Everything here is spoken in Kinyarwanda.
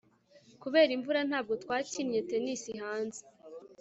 kubera imvura, ntabwo twakinnye tennis hanze